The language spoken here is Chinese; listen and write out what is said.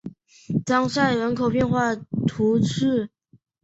当塞人口变化图示